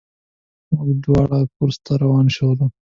موږ دواړه کورس ته روان شولو.